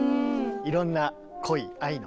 いろんな恋愛の。